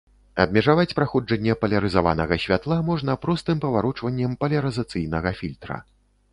Абмежаваць праходжанне палярызаванага святла можна простым паварочваннем палярызацыйнага фільтра.